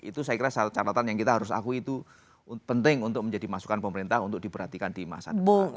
itu saya kira catatan yang kita harus akui itu penting untuk menjadi masukan pemerintah untuk diperhatikan di masa depan